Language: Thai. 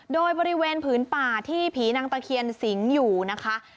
โดยบริเวณผืนป่าที่ผีนางตะเคียนสิงอยู่นะคะ